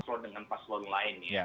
dengan paslon lainnya